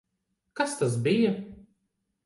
Kas tas bija?